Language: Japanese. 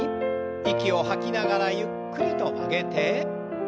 息を吐きながらゆっくりと曲げて。